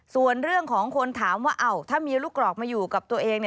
ส่วนเรื่องของคนถามว่าถ้ามีลูกกรอกมาอยู่กับตัวเอง